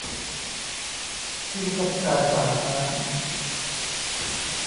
ที่ทำการป่าไม้